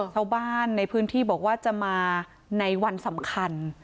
ชาวบ้านในพื้นที่บอกว่าจะมาในวันสำคัญ